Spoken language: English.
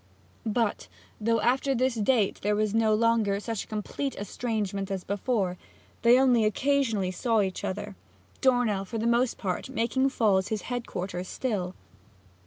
But though after this date there was no longer such a complete estrangement as before, they only occasionally saw each other, Dornell for the most part making Falls his headquarters still.